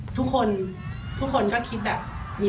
แนนสูงสุดท้ายที่บราซิลครับ